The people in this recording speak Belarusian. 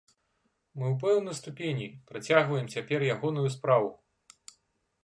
Мы ў пэўнай ступені працягваем цяпер ягоную справу.